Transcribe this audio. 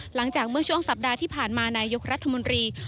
หลังจากเมื่อช่วงสัปดาห์ที่ผ่านมานายกรัฐมนตรี